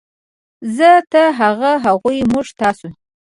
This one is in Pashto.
زۀ ، تۀ ، هغه ، هغوی ، موږ ، تاسو